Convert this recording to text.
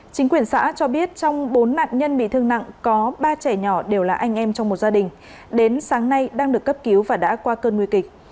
chính quyền xã cho biết trong bốn nạn nhân bị thương nặng có ba trẻ nhỏ đều là anh em trong một gia đình đến sáng nay đang được cấp cứu và đã qua cơn nguy kịch